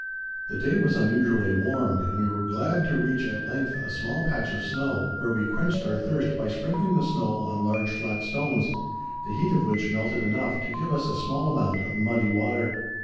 The day was unusually warm, and we were glad to reach at length a small patch of snow, where we quenched our thirst by sprinkling the snow on large flat stones, the heat of which melted enough to give us a small amount of muddy water.